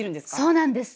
そうなんです。